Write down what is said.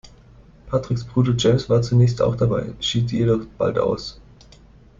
Patricks Bruder James war zunächst auch dabei, schied jedoch bald aus.